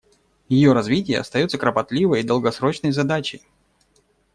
Ее развитие остается кропотливой и долгосрочной задачей.